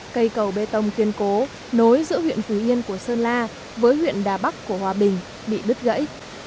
cây cầu bê tông kiên cố nối giữa huyện phú yên của sơn la với huyện đà bắc của hòa bình bị đứt gãy